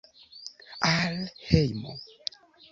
Al hejmo!